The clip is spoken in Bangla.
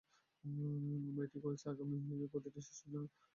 আমরা এটি করছি কারণ, আগামীর প্রতিটি শিশুর জন্য আমাদের নৈতিক দায়িত্ব আছে।